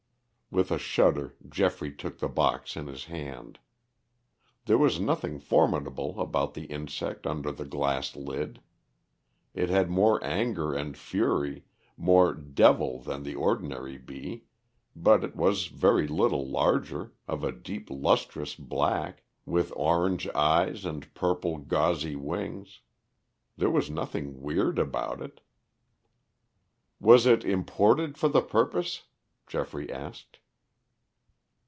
With a shudder Geoffrey took the box in his hand. There was nothing formidable about the insect under the glass lid. It had more anger and fury, more "devil" than the ordinary bee, but it was very little larger, of a deep, lustrous black, with orange eyes and purple gauzy wings. There was nothing weird about it. "Was it imported for the purpose?" Geoffrey asked.